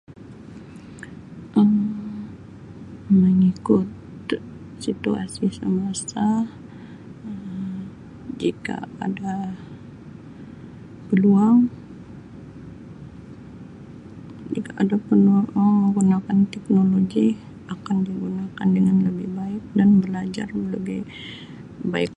Um Mengikut situasi semasa Um jika ada peluang, jika ada peluang [unintelligible] menggunakan teknologi akan digunakan dengan lebih baik dan belajar lebih baik.